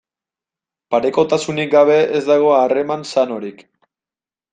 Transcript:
Parekotasunik gabe ez dago harreman sanorik.